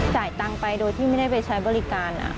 จ่ายตังค์ไปโดยที่ไม่ได้ไปใช้บริการ